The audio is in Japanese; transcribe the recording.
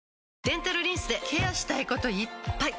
デンタルリンスでケアしたいこといっぱい！